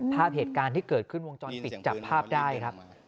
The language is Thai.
ภาพเหตุการณ์ที่เกิดขึ้นวงจรปิดจับภาพได้ครับ